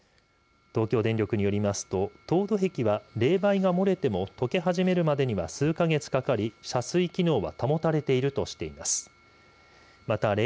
東京電力によりますと凍土壁は冷媒が漏れても溶け始めるまでには数か月かかり遮水機能は保たれているとしています。